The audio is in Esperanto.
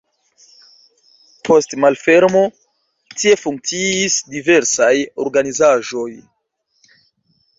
Post malfermo tie funkciis diversaj organizaĵoj.